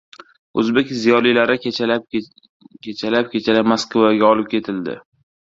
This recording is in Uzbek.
O‘zbek ziyolilari kechalab-kechalab Moskvaga olib ketildi.